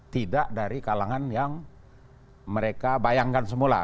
tidak dari kalangan yang mereka bayangkan semula